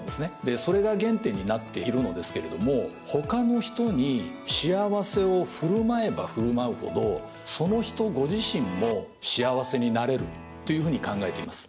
それが原点になっているのですけれども他の人に幸せを振る舞えば振る舞うほどその人ご自身も幸せになれるというふうに考えています。